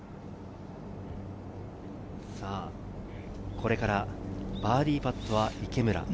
これからバーディーパットは池村。